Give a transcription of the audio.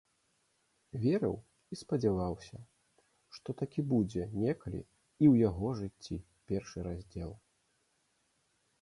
Верыў і спадзяваўся, што такі будзе некалі і ў яго жыцці першы раздзел.